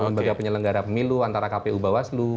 lembaga penyelenggara pemilu antara kpu bawaslu